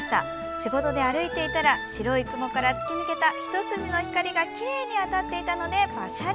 仕事で歩いていたら白い雲から突き抜けた一筋の光がきれいに当たっていたのでパシャリ。